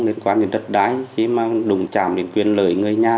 liên quan đến đất đáy khi mà đùng chạm đến quyền lợi người nhà